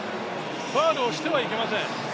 ファウルをしてはいけません。